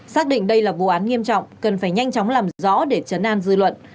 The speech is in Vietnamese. xác định đây là vụ án nghiêm trọng cần phải nhanh chóng làm rõ để chấn an dư luận